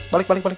balik balik balik